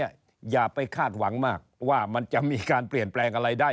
อย่าไปคาดหวังมากว่ามันจะมีการเปลี่ยนแปลงอะไรได้